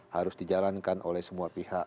harus dijalankan oleh semua pihak